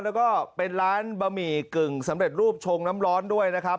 แล้วก็เป็นร้านบะหมี่กึ่งสำเร็จรูปชงน้ำร้อนด้วยนะครับ